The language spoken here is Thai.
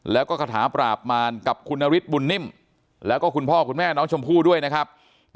แล้วก็คาถาปราบมารกับคุณนฤทธิบุญนิ่มแล้วก็คุณพ่อคุณแม่น้องชมพู่ด้วยนะครับ